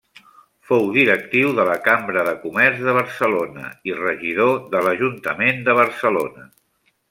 Fou directiu de la Cambra de Comerç de Barcelona i regidor de l'ajuntament de Barcelona.